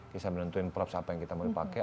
bisa menentukan prop apa yang kita mau pakai